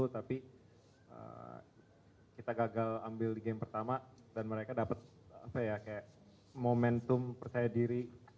tapi kita gagal ambil di game pertama dan mereka dapat momentum percaya diri